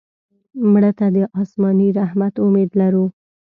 مړه ته د آسماني رحمت امید لرو